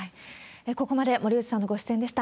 ここまで森内さんのご出演でした。